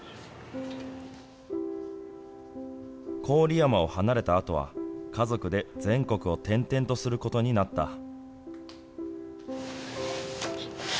郡山を離れたあとは、家族で全国を転々とすることになった。